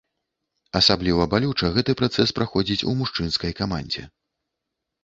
Асабліва балюча гэты працэс праходзіць у мужчынскай камандзе.